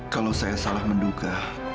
kalau saya salah menduga